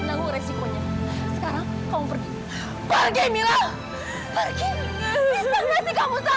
maafkan mama yang tak menghentikanmu